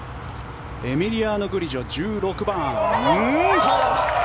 エミリアノ・グリジョ、１６番。